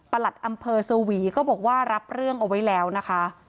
หลัดอำเภอสวีก็บอกว่ารับเรื่องเอาไว้แล้วนะคะ